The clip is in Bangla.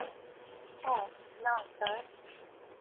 ওহ, না, স্যার।